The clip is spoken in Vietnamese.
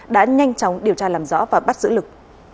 đã nhanh chóng điều tra làm rõ và bắt giữ lực